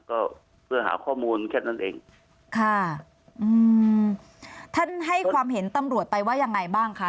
ก็เพื่อหาข้อมูลแค่นั้นเองค่ะอืมท่านให้ความเห็นตำรวจไปว่ายังไงบ้างคะ